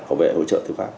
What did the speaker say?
bảo vệ hỗ trợ tư pháp